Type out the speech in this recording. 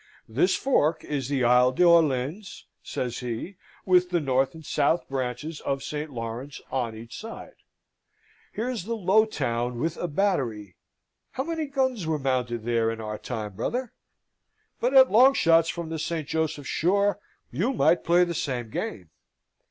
"This fork is the Isle d'Orleans," says he, "with the north and south branches of St. Lawrence on each side. Here's the Low Town, with a battery how many guns was mounted there in our time, brother? but at long shots from the St. Joseph shore you might play the same game.